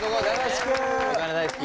お金大好き。